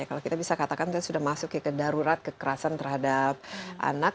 kalau kita bisa katakan sudah masuk ke darurat kekerasan terhadap anak